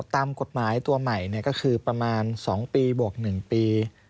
ตามกฎหมายตัวใหม่ก็คือประมาณ๒ปีบวก๑ปี